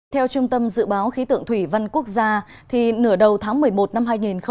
theo trung tâm dự báo khí tượng thủy văn quốc gia nửa đầu tháng một mươi một năm hai nghìn một mươi chín